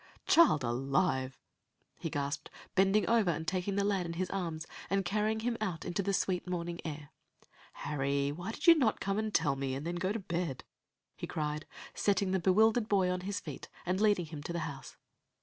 "Child alive!" he gasped, bending over and taking the lad in his arms, and carrying him out into the sweet morning air. "Harry, why did you not come and tell me, and then go to bed?" he cried, setting the bewildered boy on his feet, and leading him to the house.